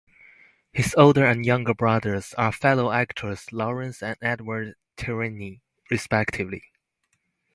His older and younger brothers were fellow actors Lawrence and Edward Tierney, respectively.